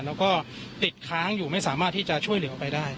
แล้วก็ติดค้างอยู่ไม่สามารถที่จะช่วยเหลือออกไปได้